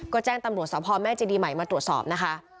ก็แจ้งตำรวจสภแม่เจดีใหม่มาตรวจสอบนะคะ